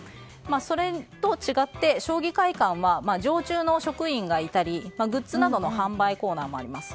それと違って、将棋会館は常駐の職員がいたりグッズなどの販売コーナーもあります。